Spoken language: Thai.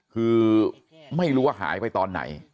คือไม่รู้ว่าหายไปตอนไหน